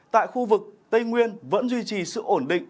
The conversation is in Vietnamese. tại khu vực tây nguyên vẫn duy trì sự ổn định